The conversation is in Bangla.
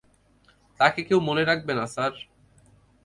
তাকে কেউ মনে রাখবে না, স্যার।